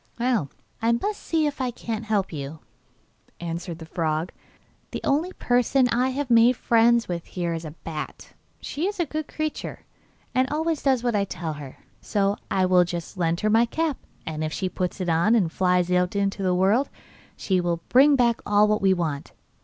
'Well, I must see if I can't help you,' answered the frog. 'The only person I have made friends with here is a bat. She is a good creature, and always does what I tell her, so I will just lend her my cap, and if she puts it on, and flies into the world, she will bring back all we want.